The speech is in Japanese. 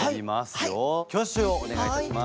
挙手をお願いいたします。